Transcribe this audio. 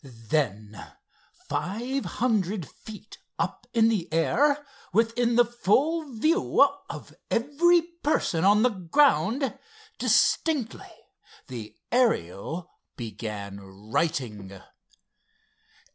Then, five hundred feet up in the air, within the full view of every person on the ground, distinctly the Ariel began "writing."